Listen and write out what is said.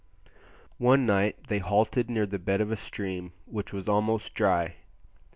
One night they halted near the bed of a stream which was almost dry.